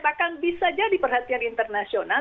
bahkan bisa jadi perhatian internasional